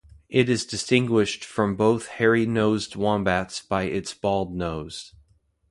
It is distinguished from both hairy-nosed wombats by its bald nose.